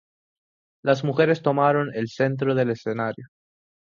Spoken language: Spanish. Las mujeres tomaron el centro del escenario.